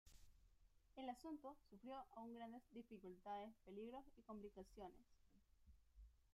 El asunto sufrió aún grandes dificultades, peligros y complicaciones.